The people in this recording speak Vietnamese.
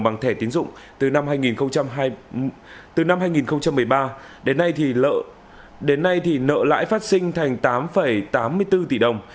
bằng thẻ tín dụng từ năm hai nghìn một mươi ba đến nay thì nợ lãi phát sinh thành tám tám mươi bốn tỷ đồng